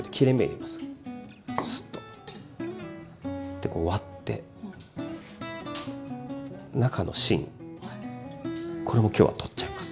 でこう割って中の芯これも今日は取っちゃいます。